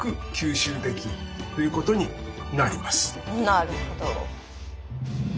なるほど。